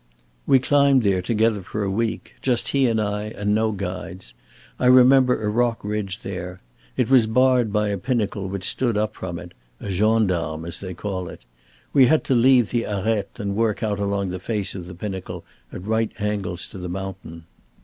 We climbed there together for a week, just he and I and no guides. I remember a rock ridge there. It was barred by a pinnacle which stood up from it 'a gendarme,' as they call it. We had to leave the arête and work out along the face of the pinnacle at right angles to the mountain.